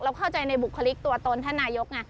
เข้าใจในบุคลิกตัวตนท่านนายกไง